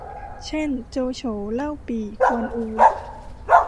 เช่น โจโฉ เล่าปี่ กวนอู